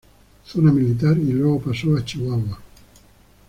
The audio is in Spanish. Zona Militar y luego pasó a Chihuahua.